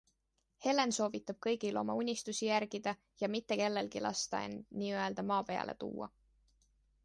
Helen soovitab kõigil oma unistusi järgida ja mitte kellelgi lasta end nii-öelda maa peale tuua.